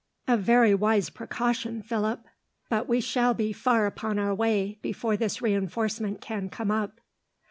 "A very wise precaution, Philip; but we shall be far upon our way, before this reinforcement can come up."